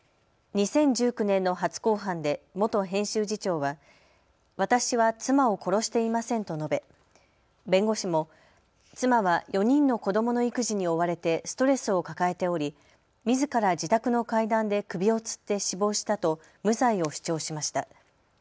２０１９年の初公判で元編集次長は私は妻を殺していませんと述べ弁護士も妻は４人の子どもの育児に追われてストレスを抱えており、みずから自宅の階段で首をつって死亡したと無罪を主張しました。